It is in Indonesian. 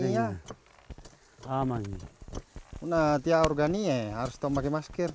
setiap petani yang sudah digunakan harus memakai masker